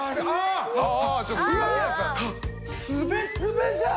すべすべじゃん。